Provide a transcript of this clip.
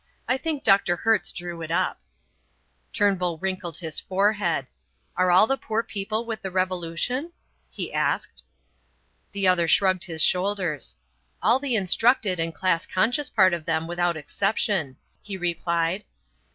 "I think Dr. Hertz drew it up." Turnbull wrinkled his forehead. "Are all the poor people with the Revolution?" he asked. The other shrugged his shoulders. "All the instructed and class conscious part of them without exception," he replied.